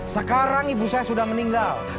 sekarang ibu saya sudah meninggal